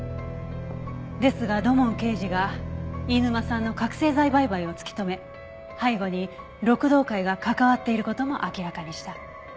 ですが土門刑事が飯沼さんの覚せい剤売買を突き止め背後に六道会が関わっている事も明らかにした。